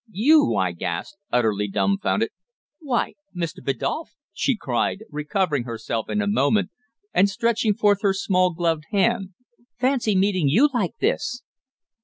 "You!" I gasped, utterly dumbfounded. "Why Mr. Biddulph!" she cried, recovering herself in a moment and stretching forth her small gloved hand; "fancy meeting you like this!"